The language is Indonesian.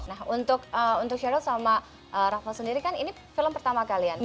nah untuk charles sama rafael sendiri kan ini film pertama kalian